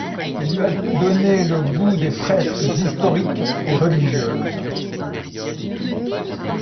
Il lui a donné le goût des fresques historiques et religieuses.